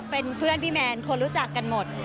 เป็นเพื่อนพี่แมนคนรู้จักกันหมด